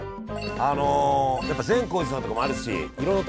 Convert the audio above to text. あのやっぱ善光寺さんとかもあるしいろいろと。